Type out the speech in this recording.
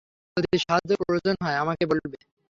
যদি সাহায্যের প্রয়োজন হয়, আমাকে বলবে।